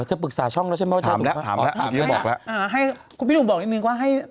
อร้อยเธอปรึกษาช่องแล้วใช่ไหมว่า